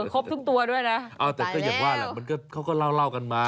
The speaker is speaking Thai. ครบทุกตัวด้วยนะไปแล้วแต่ก็อย่างว่าแหละเค้าก็เล่ากันมา